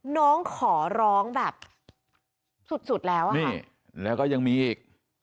น้องขอร้องแบบสุดสุดแล้วอ่ะนี่แล้วก็ยังมีอีก